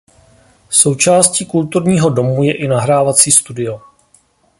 Součástí kulturního domu je i nahrávací studio.